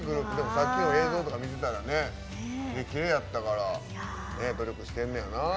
さっきの映像とか見てたらキレキレやったから努力してんねやな。